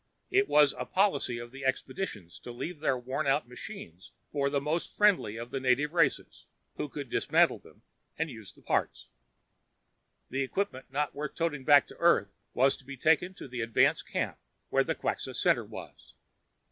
It was a policy of the expeditions to leave their wornout machines for the most friendly of the native races, who could dismantle them and use the parts. The equipment not worth toting back to Earth was to be taken to the advance camp, where the Quxa center was.